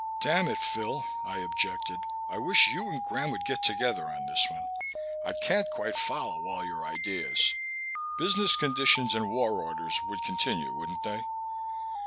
"Damn it, Phil," I objected. "I wish you and Graham would get together on this one. I can't quite follow all your ideas. Business conditions and war orders would continue, wouldn't they?"